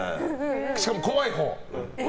しかも怖いほう。